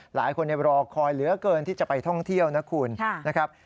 หลายคนรอคอยเหลือเกินที่จะไปท่องเที่ยวนะคุณนะครับ